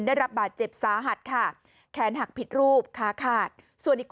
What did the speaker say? ได้รับบาดเจ็บสาหัสค่ะแขนหักผิดรูปขาขาดส่วนอีก